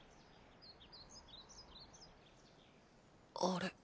あれ？